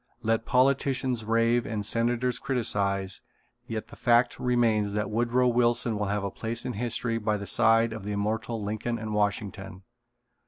Let politicians rave and senators criticize, yet the fact remains that Woodrow Wilson will have a place in history by the side of the immortal Lincoln and Washington.